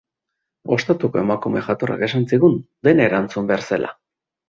Ostatuko emakume jatorrak esan zigun dena erantzun behar zela.